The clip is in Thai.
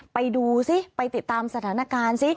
ไปดูซิไปติดตามสถานการณ์สิ